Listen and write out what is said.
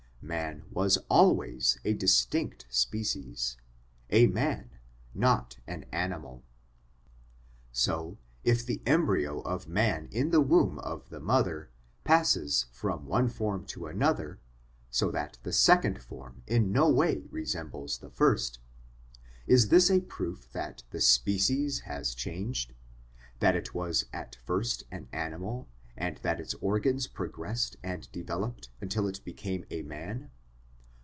Man was always a distinct species, a man, not an animal. So, if the embryo of man in the womb of the mother passes from one form to another, so that the second form in no way resembles the first, is this a proof that the species has changed ? that it was at first an animal, and that its organs progressed and developed until it became a man